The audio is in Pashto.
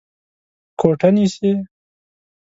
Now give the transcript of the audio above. کوټه نيسې؟